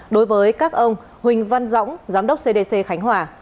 đối với các ông huỳnh văn dõng giám đốc cdc khánh hòa